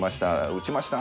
打ちました！